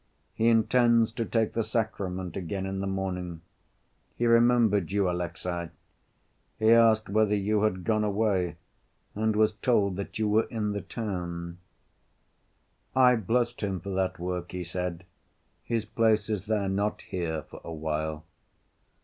He intends to take the sacrament again in the morning. He remembered you, Alexey. He asked whether you had gone away, and was told that you were in the town. 'I blessed him for that work,' he said, 'his place is there, not here, for awhile.